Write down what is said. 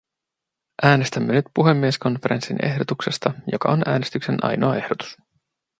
Äänestämme nyt puhemieskonferenssin ehdotuksesta, joka on äänestyksen ainoa ehdotus.